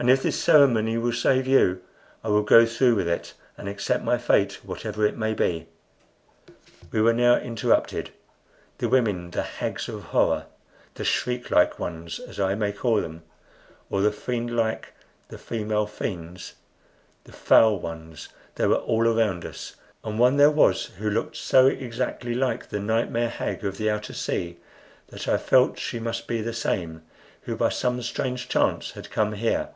and if this ceremony will save you I will go through with it, and accept my fate whatever it may be." We were now interrupted. The women the hags of horror the shriek like ones, as I may call them, or the fiend like, the female fiends, the foul ones they were all around us; and one there was who looked so exactly like the nightmare hag of the outer sea that I felt sure she must be the same, who by some strange chance had come here.